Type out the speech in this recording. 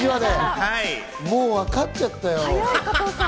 もうわかちゃったよ。